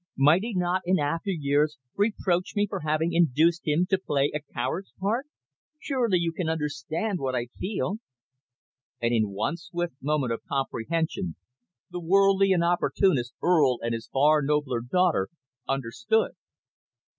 Might he not in after years reproach me for having induced him to play a coward's part? Surely you can understand what I feel." And, in one swift moment of comprehension, the worldly and opportunist Earl and his far nobler daughter understood.